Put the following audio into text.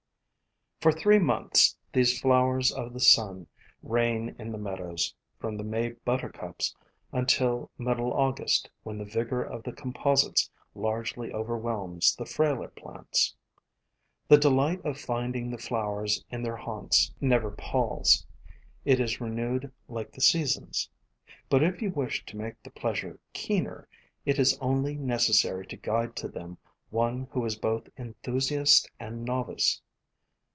For three months these flowers of the sun reign in the meadows, from the May Buttercups until middle August, when the vigor of the composites largely overwhelms the frailer plants. The delight of finding the flowers in their haunts never palls; it is renewed like the seasons. But if you wish to make the pleasure keener, it is only necessary to guide to them one who is both enthusiast and novice.